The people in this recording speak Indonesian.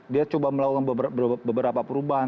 dia coba melakukan beberapa perubahan